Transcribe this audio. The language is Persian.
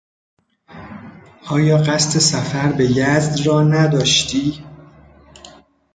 آیا قصد سفر به یزد را نداشتی؟